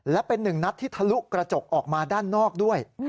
และเป็นหนึ่งนัดที่ทะลุกระจกออกมาด้านนอกด้วย